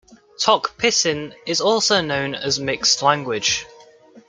Tok Pisin is also known as a "mixed" language.